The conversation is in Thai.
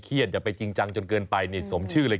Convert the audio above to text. เครียดอย่าไปจริงจังจนเกินไปสมชื่อเลย